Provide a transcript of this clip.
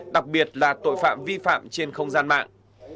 đặc biệt là tội phạm vi phạm trên không gian mạng